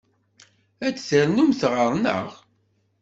Ad d-ternumt ɣer-neɣ?